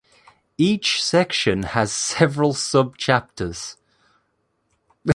Each section has several sub-chapters.